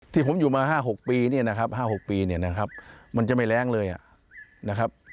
ที่ผมอยู่มา๕๖ปีมันจะไม่แร้งเลยนะครับ